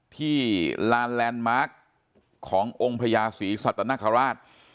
ที่ลานแลนด์มาร์คขององค์พญาศรีสัตนคราช